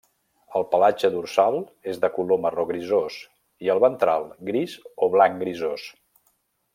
El pelatge dorsal és de color marró grisós, i, el ventral, gris o blanc grisós.